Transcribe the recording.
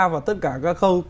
vào tất cả các khâu